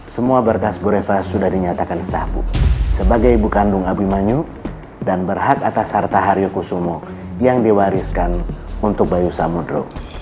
semua berkas bureva sudah dinyatakan sahbu sebagai ibu kandung abi manyu dan berhak atas harta haryu kusumo yang diwariskan untuk bayu samudro